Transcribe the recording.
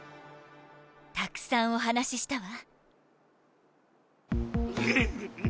たくさんお話ししたわ。